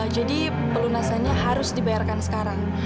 jadi pelunasannya harus dibayarkan sekarang